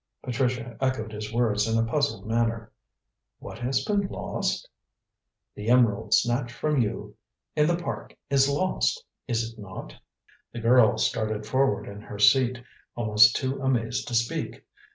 Patricia echoed his words in a puzzled manner: "What has been lost?" "The emerald snatched from you in the Park is lost, is it not?" The girl started forward in her seat, almost too amazed to speak.